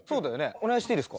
お願いしていいですか？